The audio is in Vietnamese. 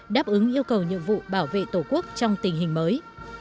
đáp ứng yêu cầu nhiệm vụ bảo vệ tổ quốc trong tình hình mới